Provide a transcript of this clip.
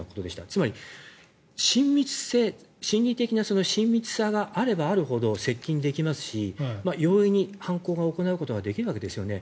つまり、親密性心理的な親密さがあればあるほど接近できますし容易に犯行を行うことができるわけですよね。